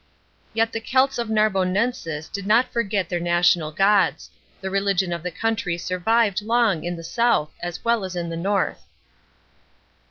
Yet the Celts of Narbonensis did not forget their national gods ; the religion of the country survived long in the south as well as in the north.